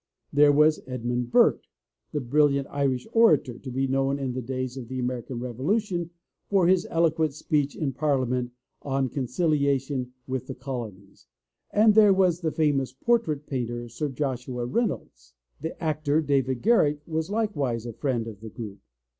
There was Edmund Burke, the brilliant Irish orator, to be known in the days of the American Revolution for his eloquent speech in Parliament on Conciliation With the Colonies, and there was the famous portrait painter. Sir Joshua Reynolds. The actor, David Garrick, was likewise a friend of the group.